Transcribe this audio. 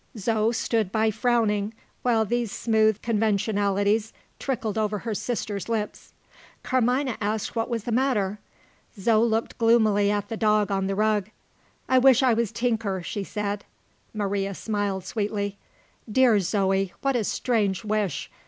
Zo stood by frowning, while these smooth conventionalities trickled over her sister's lips. Carmina asked what was the matter. Zo looked gloomily at the dog on the rug. "I wish I was Tinker," she said. Maria smiled sweetly. "Dear Zoe, what a very strange wish!